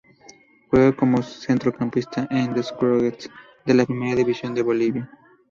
Juega como centrocampista en The Strongest de la Primera División de Bolivia.